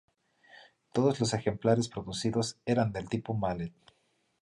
Todos los ejemplares producidos eran del tipo Mallet.